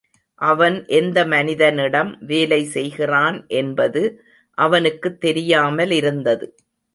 அவன் எந்த மனிதனிடம் வேலை செய்கிறான் என்பது அவனுக்குத் தெரியாமலிருந்தது.